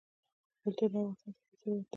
کلتور د افغانستان طبعي ثروت دی.